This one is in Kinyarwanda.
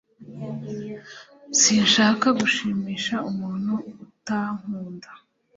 Sinshaka gushimisha umuntu uta nkunda.